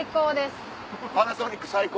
パナソニック最高？